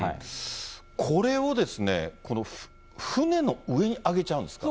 これを船の上にあげちゃうんですか。